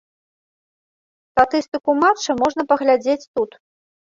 Статыстыку матча можна паглядзець тут.